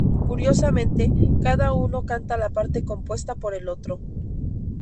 Curiosamente, cada uno canta la parte compuesta por el otro.